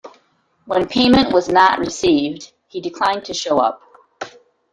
When payment was not received, he declined to show up.